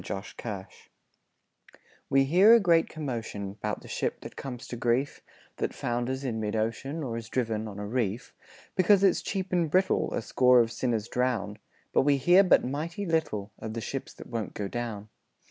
0 Autoplay We hear a great commotion 'Bout the ship that comes to grief, That founders in mid ocean, Or is driven on a reef; Because it's cheap and brittle A score of sinners drown. But we hear but mighty little Of the ships that won't go down.